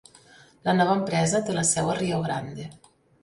La nova empresa té la seu a Rio Grande.